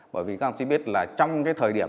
bởi vì các ông chí biết là trong cái thời điểm